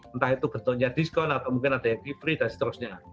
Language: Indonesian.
entah itu bentuknya diskon atau mungkin ada ekonomi